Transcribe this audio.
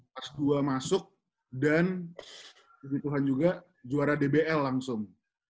kelas dua masuk dan tuhan juga juara dbl langsung